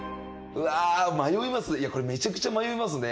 うわ迷いますね